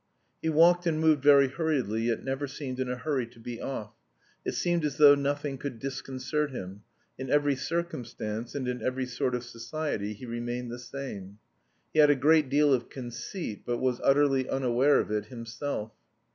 He walked and moved very hurriedly, yet never seemed in a hurry to be off. It seemed as though nothing could disconcert him; in every circumstance and in every sort of society he remained the same. He had a great deal of conceit, but was utterly unaware of it himself.